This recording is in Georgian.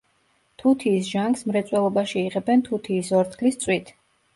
თუთიის ჟანგს მრეწველობაში იღებენ თუთიის ორთქლის წვით.